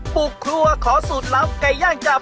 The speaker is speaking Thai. สวัสดีคุณยายด้วยครับ